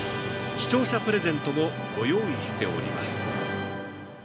視聴者プレゼントもご用意しております。